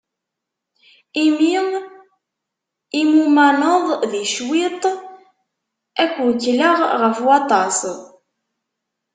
Imi i mumaneḍ di cwiṭ, ad k-wekkleɣ ɣef waṭas.